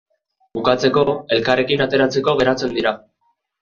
Bukatzeko, elkarrekin ateratzeko geratzen dira.